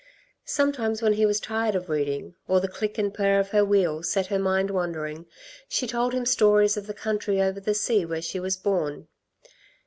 Sometimes when he was tired of reading, or the click and purr of her wheel set her mind wandering, she told him stories of the country over the sea where she was born.